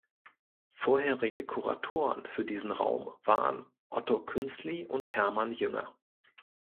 Vorherige Kuratoren für diesen Raum waren Otto Künzli und Hermann Jünger.